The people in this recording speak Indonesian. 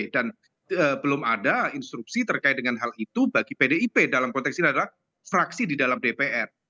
dan belum ada instruksi terkait dengan hal itu bagi pdip dalam konteks ini adalah fraksi di dalam dpr